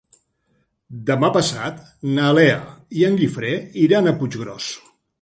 Demà passat na Lea i en Guifré iran a Puiggròs.